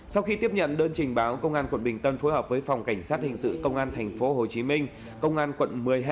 sau khi tiếp nhận đơn trình báo công an quận bình tân phối hợp với phòng cảnh sát hình sự công an thành phố hồ chí minh công an quận một mươi hai